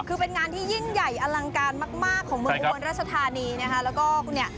คือเป็นงานที่ยิ่งใหญ่อลังการมากของเมืองโอนรัชธานีนะคะ